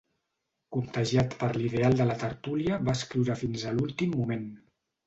Contagiat per l'ideal de la tertúlia va escriure fins a l'últim moment.